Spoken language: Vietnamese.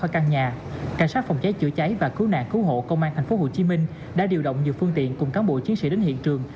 căn nhà cảnh sát phòng cháy chữa cháy và cứu nạn cứu hộ công an tp hcm đã điều động nhiều phương tiện cùng cán bộ chiến sĩ đến hiện trường